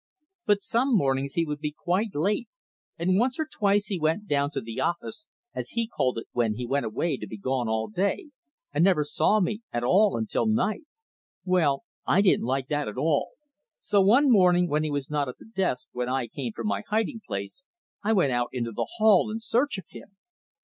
But some mornings he would be quite late, and once or twice he went down to the office (as he called it when he went away to be gone all day) and never saw me at all until night. Well, I didn't like that at all, so one morning when he was not at the desk when I came from my hiding place, I went out into the hall in search of him.